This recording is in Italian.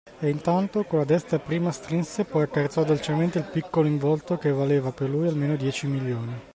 E, intanto, con la destra prima strinse poi accarezzò dolcemente il piccolo involto che valeva per lui almeno dieci milioni.